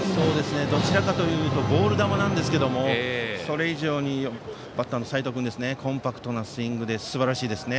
どちらかというとボール球なんですがそれ以上にバッターの齋藤君はコンパクトなスイングですばらしいですね。